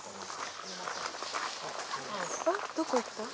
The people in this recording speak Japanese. どこ行った？